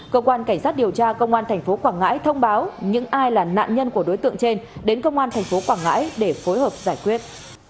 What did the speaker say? cơ quan cảnh sát điều tra công an thành phố quảng ngãi thông báo những ai là nạn nhân của đối tượng trên đến công an thành phố quảng ngãi để phối hợp giải quyết